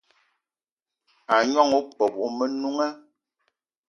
A gnong opeup o Menunga